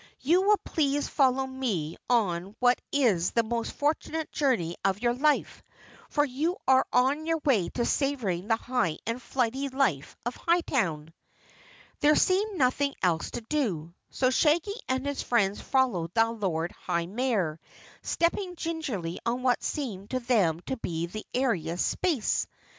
You will please follow me on what is the most fortunate journey of your life for you are on your way to savoring the high and flighty life of Hightown." There seemed nothing else to do, so Shaggy and his friends followed the Lord High Mayor, stepping gingerly on what seemed to them to be the airiest space.